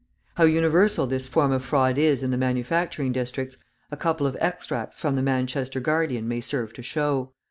How universal this form of fraud is in the manufacturing districts, a couple of extracts from the Manchester Guardian may serve to show.